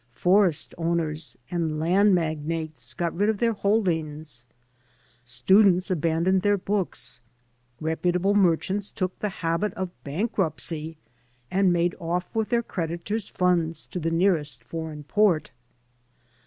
Forest owners and land magnates got rid of their holdings, students abandoned their books, reputable merchants took the habit of bankruptcy and made oflf with their creditors* f imds to the nearest foreign port.